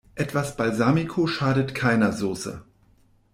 Etwas Balsamico schadet keiner Soße.